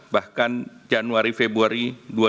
bahkan januari februari dua ribu dua puluh